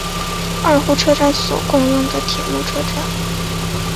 二户车站所共用的铁路车站。